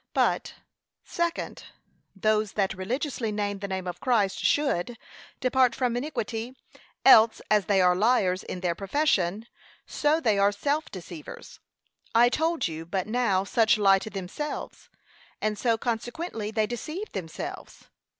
But, Second, Those that religiously name the name of Christ should depart from iniquity, else, as they are liars in their profession, so they are self deceivers. I told you but now such lie to themselves, and so consequently they deceive themselves.